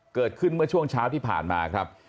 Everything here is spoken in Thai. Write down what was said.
เกิดขึ้นเมื่อช่วงเช้าที่ผ่านมาครับ